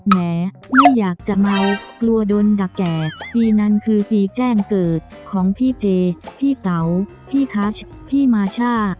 แม้ไม่อยากจะเมากลัวโดนดักแก่ปีนั้นคือปีแจ้งเกิดของพี่เจพี่เต๋าพี่ทัชพี่มาช่า